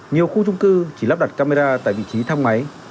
nhiều khu trung cư chỉ lắp đặt camera tại vị trí thang máy